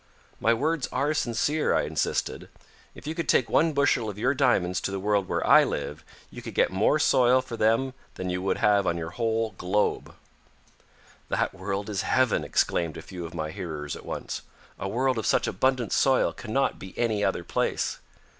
"My words are sincere," I insisted. "If you could take one bushel of your diamonds to the world where I live, you could get more soil for them than you have on your whole globe." "That world is heaven," exclaimed a few of my hearers at once. "A world of such abundant soil cannot be any other place."